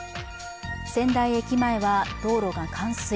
仙台駅前は道路が冠水。